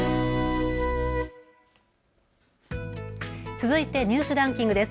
続いてニュースランキングです。